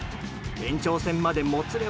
延長戦までもつれ